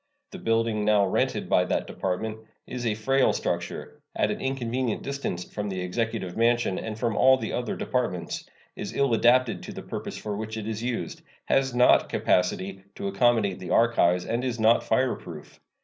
The building now rented by that Department is a frail structure, at an inconvenient distance from the Executive Mansion and from the other Departments, is ill adapted to the purpose for which it is used, has not capacity to accommodate the archives, and is not fireproof.